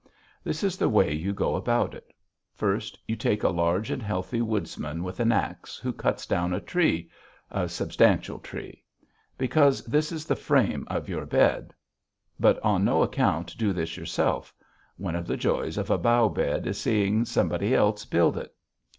This is the way you go about it: First, you take a large and healthy woodsman with an axe, who cuts down a tree a substantial tree. Because this is the frame of your bed. But on no account do this yourself. One of the joys of a bough bed is seeing somebody else build it.